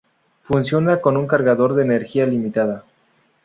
Funciona con un cargador de energía limitada.